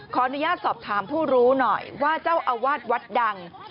ขออนุญาตสอบถามผู้รู้หน่อยว่าเจ้าอาวาสวัดดัง